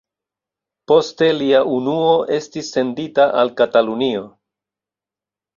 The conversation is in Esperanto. Poste lia unuo estis sendita al Katalunio.